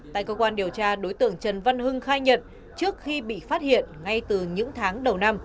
tại cơ quan điều tra đối tượng trần văn hưng khai nhận trước khi bị phát hiện ngay từ những tháng đầu năm